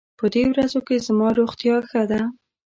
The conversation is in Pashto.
په دې ورځو کې زما روغتيا ښه ده.